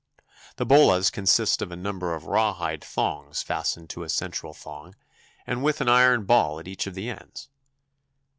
The bolas consists of a number of rawhide thongs fastened to a central thong and with an iron ball at each of the ends.